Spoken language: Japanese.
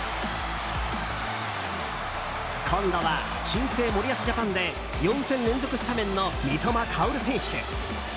今度は新生森保ジャパンで４戦連続スタメンの三笘薫選手。